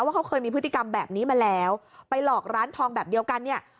ว่าเขาเคยมีพฤติกรรมแบบนี้มาแล้วไปหลอกร้านทองแบบเดียวกันเนี่ย